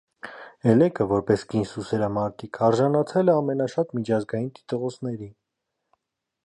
Էլեկը՝ որպես կին սուսերամարտիկ, արժանացել է ամենաշատ միջազգային տիտղոսների։